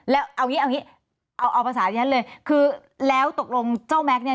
แล้วเอาอย่างงี้เอาเอาเอาภาษาอย่างนั้นเลยคือแล้วตกลงเจ้าแม็กซ์เนี้ย